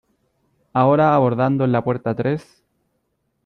Ahora abordando en la puerta tres.